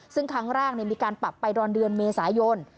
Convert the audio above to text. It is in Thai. ซึ่งครั้งแรกมีการปรับไปตอนเดือนเมษายน